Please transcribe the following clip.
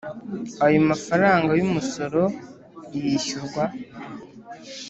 Ayo mafaranga y umusoro yishyurwa